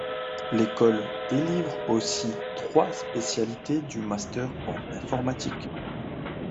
L’école délivre aussi trois spécialités du master en informatique.